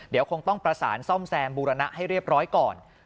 เดี๋ยวคงต้องประสานซ่อมแซมบูรณะให้เรียบร้อยก่อน